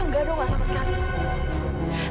enggak do enggak sama sekali